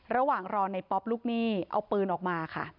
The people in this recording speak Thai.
ระหว่างรอในป๊อปลูกหนี้เอาปืนออกมาค่ะ